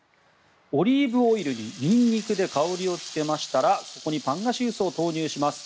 オリーブオイルにニンニクで香りをつけましたらそこにパンガシウスを投入します。